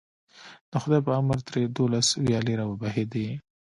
د خدای په امر ترې دولس ویالې راوبهېدې.